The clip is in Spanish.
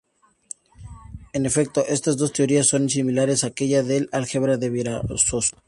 En efecto, estas dos teorías son similares a aquella del álgebra de Virasoro.